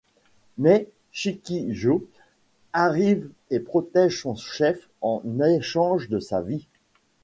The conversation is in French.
Mais Shikijô arrive et protège son chef en échange de sa vie.